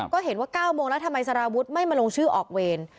ก็เห็นว่า๙โมงแล้วทำไมสารวุฒิไม่มาลงชื่อออกเวร